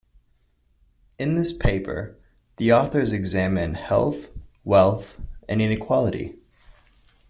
In this paper, the authors examine health, wealth and inequality.